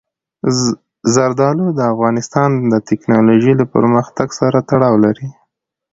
زردالو د افغانستان د تکنالوژۍ له پرمختګ سره تړاو لري.